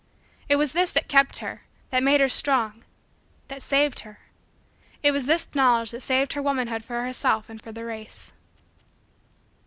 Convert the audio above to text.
It was this that kept her that made her strong that saved her. It was this knowledge that saved her womanhood for herself and for the race.